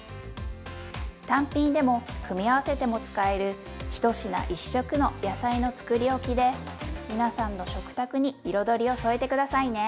単品でも組み合わせても使える「１品１色の野菜のつくりおき」で皆さんの食卓に彩りを添えて下さいね。